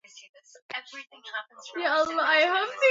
Kuhaririwa kna kuwekwa pampja na habari zingine za aina moja